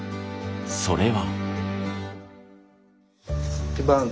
それは。